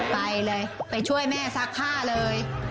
ไปเลยไปช่วยแม่ซักผ้าเลย